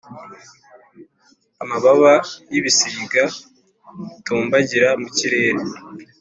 Amababa y ibisiga bitumbagira mukirere